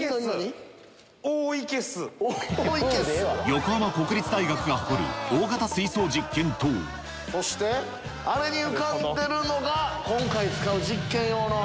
横浜国立大学が誇るそしてあれに浮かんでるのが今回使う実験用の。